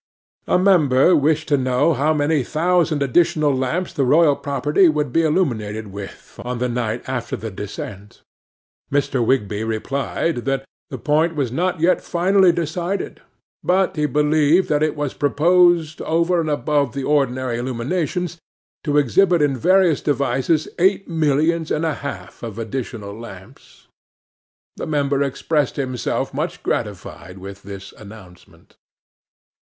'A Member wished to know how many thousand additional lamps the royal property would be illuminated with, on the night after the descent. 'MR. WIGSBY replied that the point was not yet finally decided; but he believed it was proposed, over and above the ordinary illuminations, to exhibit in various devices eight millions and a half of additional lamps. 'The Member expressed himself much gratified with this announcement.